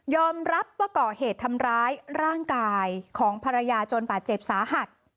รับว่าก่อเหตุทำร้ายร่างกายของภรรยาจนบาดเจ็บสาหัส